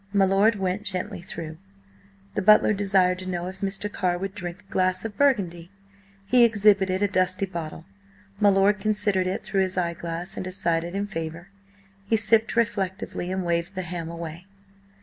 My lord went gently through. The butler desired to know if Mr. Carr would drink a glass of burgundy? He exhibited a dusty bottle. My lord considered it through his eyeglass and decided in favour. He sipped reflectively and waved the ham away.